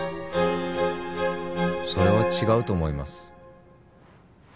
それは違うと思います。